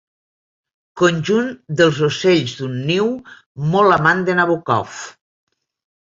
Conjunt dels ocells d'un niu molt amant de Nabòkov.